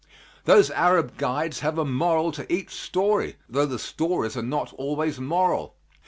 Those Arab guides have a moral to each story, though the stories are not always moral.